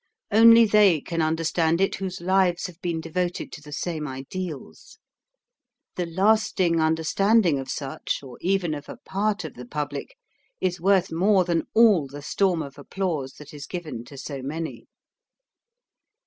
Only they can understand it whose lives have been devoted to the same ideals. The lasting under standing of such, or even of a part of the pub lic, is worth more than all the storm of applause that is given to so many.